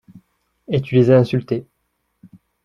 Et tu les as insultés.